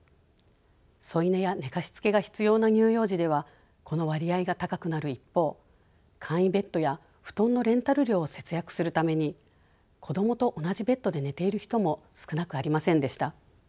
添い寝や寝かしつけが必要な乳幼児ではこの割合が高くなる一方簡易ベッドや布団のレンタル料を節約するために子どもと同じベッドで寝ている人も少なくありませんでした。